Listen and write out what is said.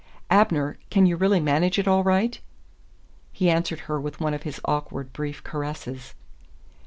"Abner can you really manage it all right?" He answered her with one of his awkward brief caresses.